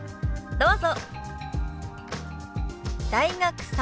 どうぞ。